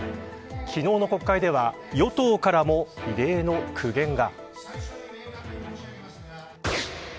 昨日の国会では与党からも異例の苦言が。